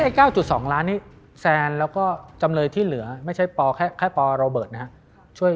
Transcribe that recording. ๙๒ล้านนี่แซนแล้วก็จำเลยที่เหลือไม่ใช่ปแค่ปโรเบิร์ตนะครับ